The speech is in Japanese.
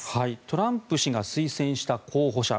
トランプ氏が推薦した候補者